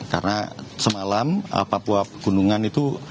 karena semalam papua pegunungan itu